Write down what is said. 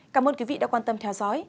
cảm ơn quý vị đã quan tâm theo dõi